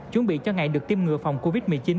chuẩn bị cho ngày được tiêm ngừa phòng covid một mươi chín